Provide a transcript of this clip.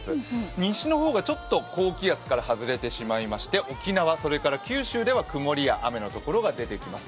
西の方がちょっと高気圧から外れてしまいまして沖縄、九州では曇りや雨のところが出てきます。